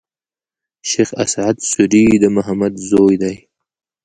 شېخ اسعد سوري د محمد زوی دﺉ.